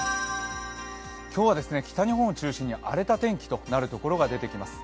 今日は北日本を中心に荒れた天気となるところが出てきます。